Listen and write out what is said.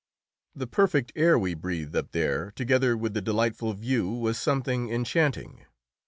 The perfect air we breathed up there, together with the delightful view, was something enchanting.